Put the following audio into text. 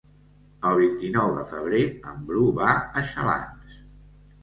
El vint-i-nou de febrer en Bru va a Xalans.